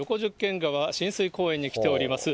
間川親水公園に来ております。